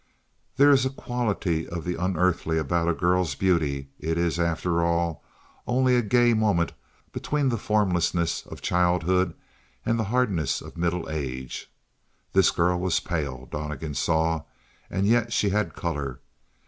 There is a quality of the unearthly about a girl's beauty; it is, after all, only a gay moment between the formlessness of childhood and the hardness of middle age. This girl was pale, Donnegan saw, and yet she had color.